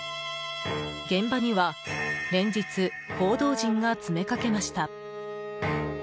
現場には連日、報道陣が詰めかけました。